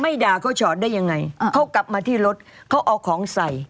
ด่าเขาชอดได้ยังไงอ่าเขากลับมาที่รถเขาเอาของใส่